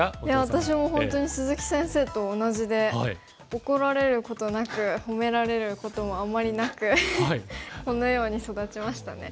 私も本当に鈴木先生と同じで怒られることなく褒められることもあんまりなくこのように育ちましたね。